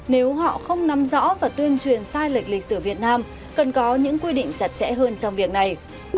nếu họ không nắm rõ và tuyên truyền sai lệch lịch sử việt nam cần có những quy định chặt chẽ hơn trong việc này